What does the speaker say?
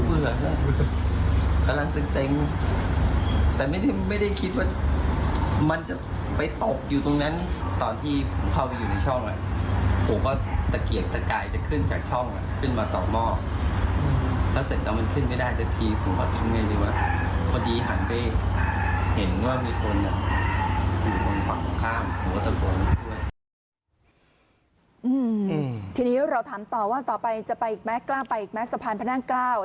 อืมทีนี้เราถามต่อว่าต่อไปจะไปอีกแม่กล้าไปอีกแม่สะพานพนักกล้าว